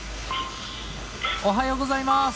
おはようございます。